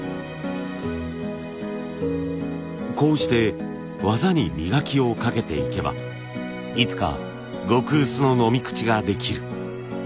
こうして技に磨きをかけていけばいつか極薄の飲み口ができる。